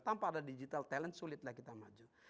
tanpa ada digital talent sulitlah kita maju